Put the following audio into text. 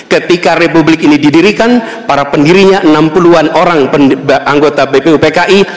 ketika republik ini didirikan para pendirinya enam puluh an orang anggota bpupki